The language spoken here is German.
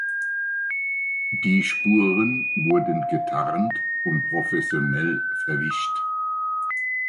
Die Spuren wurden getarnt und professionell verwischt.